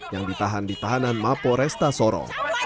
yang ditahan di tahanan mapo restasoro